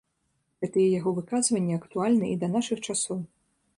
Гэтыя яго выказванні актуальны і да нашых часоў.